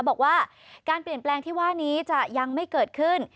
บอกว่าการเปลี่ยนแปลงที่ว่านี้จะยังไม่เกิดขึ้น